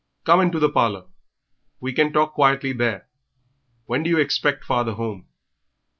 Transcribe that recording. "Come into the parlour. We can talk quietly there.... When do you expect father home?"